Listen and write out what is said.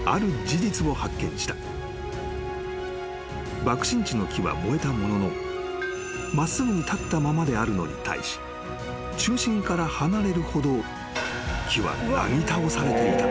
［爆心地の木は燃えたものの真っすぐに立ったままであるのに対し中心から離れるほど木はなぎ倒されていた］